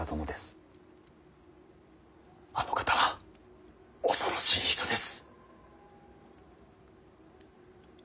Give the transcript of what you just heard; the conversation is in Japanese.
あの方は恐ろしい人です。